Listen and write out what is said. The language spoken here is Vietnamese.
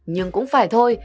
nhưng cũng phải thôi